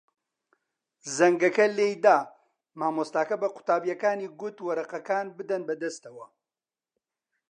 زەنگەکە لێی دا. مامۆستاکە بە قوتابییەکانی گوت وەرەقەکان بدەن بەدەستەوە.